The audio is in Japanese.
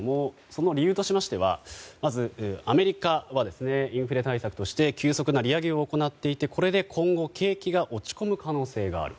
その理由としましてはまずアメリカはインフレ対策として急速な利上げを行っていてこれで今後景気が落ち込む可能性がある。